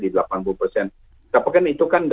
di delapan puluh tapi kan itu kan